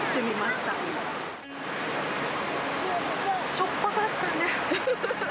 しょっぱかったね。